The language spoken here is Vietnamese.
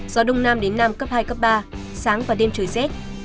gió đông nam đến nam cấp hai cấp ba sáng và đêm trời rét